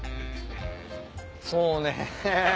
そうね。